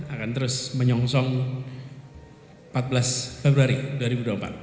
akan terus menyongsong empat belas februari dua ribu dua puluh empat